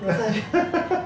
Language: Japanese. ハハハッ！